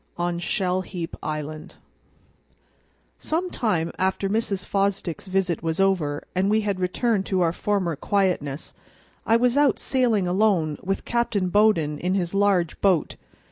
On Shell heap Island SOME TIME AFTER Mrs. Fosdick's visit was over and we had returned to our former quietness, I was out sailing alone with Captain Bowden in his large boat.